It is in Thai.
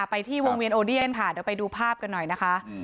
ไปที่วงเวียนโอเดียนค่ะเดี๋ยวไปดูภาพกันหน่อยนะคะ